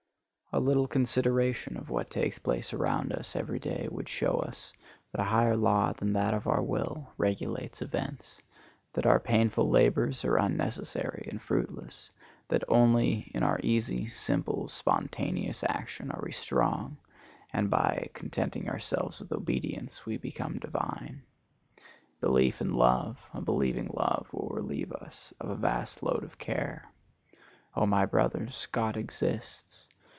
A little consideration of what takes place around us every day would show us that a higher law than that of our will regulates events; that our painful labors are unnecessary and fruitless; that only in our easy, simple, spontaneous action are we strong, and by contenting ourselves with obedience we become divine. Belief and love,—a believing love will relieve us of a vast load of care. O my brothers, God exists.